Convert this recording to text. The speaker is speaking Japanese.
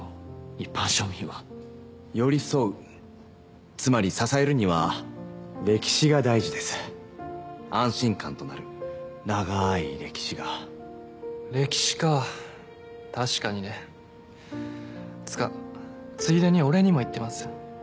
一般庶民は寄り添うつまり支えるには歴史が大事です安心感となる長い歴史が歴史か確かにねつうかついでに俺にも言ってます？